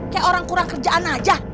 kayak orang kurang kerjaan aja